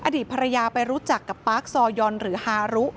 อดีตภรรยาไปรู้จักกับปาร์คซอยอนหรือฮารุ